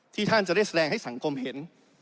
ท่านจะได้แสดงให้สังคมเห็น